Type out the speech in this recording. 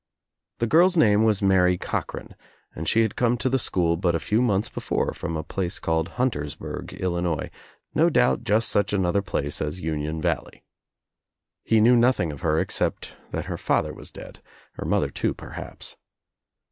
The girl's name was Mary Cochran and she had come to the school but a few months before from a place called Huntersburg, Illinois, no doubt just such another place as Union Valley. He knew nothing of her except that her father was dead, her mother too, perhaps.